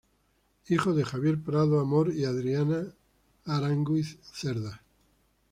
Hijo de Javier Prado Amor y Adriana Aránguiz Cerda.